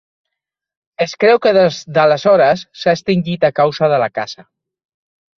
Es creu que des d'aleshores s'ha extingit a causa de la caça.